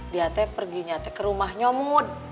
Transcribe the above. dia teh perginya teh ke rumah nyomut